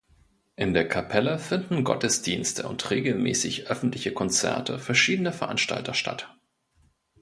In der Kapelle finden Gottesdienste und regelmäßig öffentliche Konzerte verschiedener Veranstalter statt.